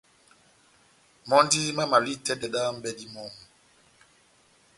Mɔ́ndí mámavalɛ́ni itɛ́dɛ dá m’bɛ́dí mɔmu.